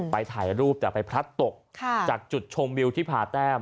ถ่ายรูปแต่ไปพลัดตกจากจุดชมวิวที่ผ่าแต้ม